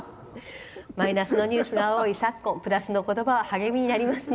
マイナスのニュースが多い昨今プラスのニュースは励みになりますね。